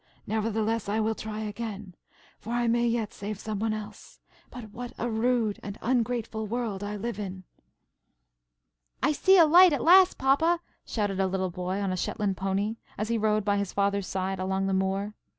Nevertheless, I will try again, for I may yet save some one else. But what a rude and ungrateful world I live in!" "I see a light at last, papa!" shouted a little Boy on a Shetland pony, as he rode by his Father's side along the moor.